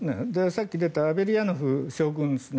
さっき出たアベリヤノフ将軍ですね